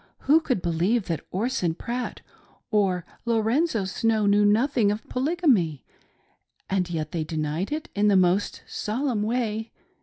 Who could believe that Orson Pratt or Lorenzo Snow knew nothing of Polygamy ? And yet they denied it in the most solemn way.